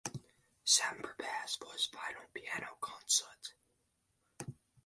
Sam prepares for his final piano concert.